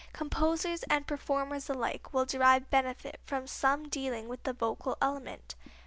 Composers and performers alike will derive benefit from some dealing with the vocal element.